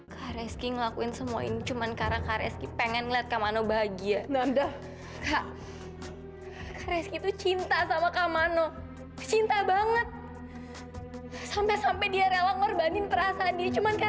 kamu tahu reski semua ini